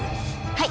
はい。